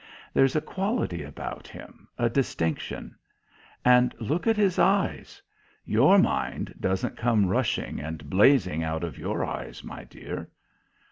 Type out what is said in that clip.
There's a quality about him, a distinction. And look at his eyes. Your mind doesn't come rushing and blazing out of your eyes, my dear."